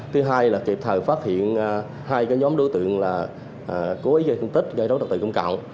thứ hai là kịp thời phát hiện hai nhóm đối tượng cố ý gây thương tích gây dối trực tự công cộng